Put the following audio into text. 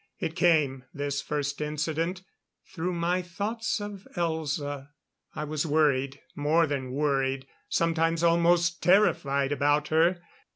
It came this first incident through my thoughts of Elza. I was worried more than worried, sometimes almost terrified about her.